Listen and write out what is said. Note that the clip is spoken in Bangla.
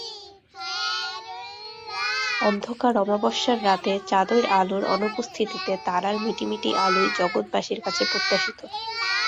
অন্ধকার অমাবস্যার রাতে, চাঁদের আলোর অনুপস্থিতিতে তারার মিটিমিটি আলোই জগৎবাসীর কাছে প্রত্যাশিত।